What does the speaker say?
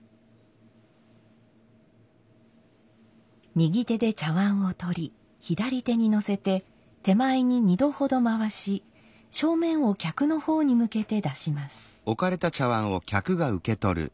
右手で茶碗を取り左手にのせて手前に２度ほど回し正面を客の方に向けて出します。